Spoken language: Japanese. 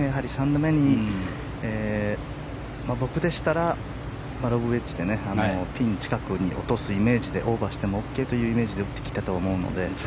３打目に僕でしたらロブウェッジでピン近くに落とすイメージでオーバーしてもＯＫというイメージで打ったと思うので。